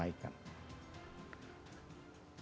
yang kita tunaikan